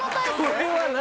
これは何？